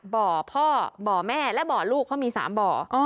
บ่อพ่อบ่อแม่และบ่อลูกเขามี๓บ่อ